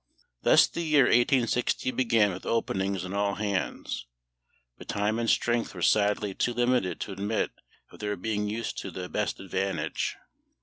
Thus the year 1860 began with openings on all hands, but time and strength were sadly too limited to admit of their being used to the best advantage.